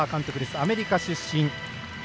アメリカ出身。